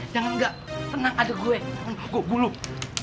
jangan enggak tenang ada gue gua gulung